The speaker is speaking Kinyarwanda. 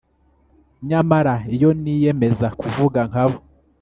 nyamara iyo niyemeza kuvuga nka bo